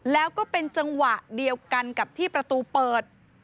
แล้วก็เป็นจังหวะเดียวกันกับที่ประตูเปิด